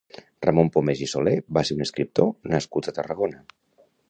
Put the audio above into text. Ramon Pomés i Soler va ser un escriptor nascut a Tarragona.